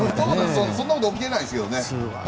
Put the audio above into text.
そんなこと起き得ないですけどね。